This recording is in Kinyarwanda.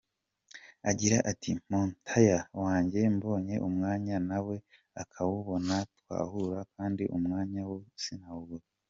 Agira ati “Mutoya wanjye mbonye umwanya nawe akawubona twahura kandi umwanya wo sinawubura.